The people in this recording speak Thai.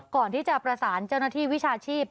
ก่อนที่จะประสานเจ้าหน้าที่วิชาชีพ